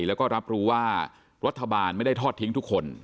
แล้วก็รับรู้ว่ารัฐบาลไม่ได้ทอดทิ้งทุกคน